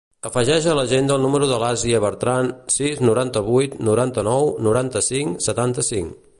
Afegeix a l'agenda el número de l'Àsia Bertran: sis, noranta-vuit, noranta-nou, noranta-cinc, setanta-cinc.